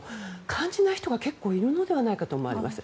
感じない人が結構いるのではないかと思われます。